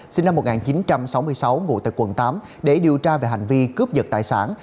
sinh năm một nghìn chín trăm sáu mươi sáu ngủ tại quận tám để điều tra về hành vi cướp giật tài sản